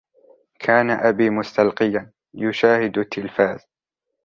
كان أبي مستلقيا ، يشاهد التلفاز.